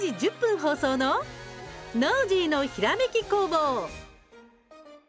放送の「ノージーのひらめき工房」。